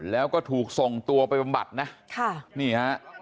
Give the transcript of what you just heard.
แล้วก็ถูกส่งตัวไปประบัตินะนี่ฮะ